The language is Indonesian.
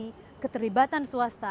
yang ketiga sebagai perusahaan